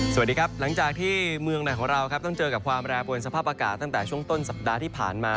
สวัสดีครับหลังจากที่เมืองไหนของเราครับต้องเจอกับความแปรปวนสภาพอากาศตั้งแต่ช่วงต้นสัปดาห์ที่ผ่านมา